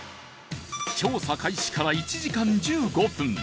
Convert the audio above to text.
調査開始から１時間１５分